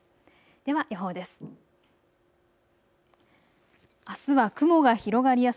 では予報です。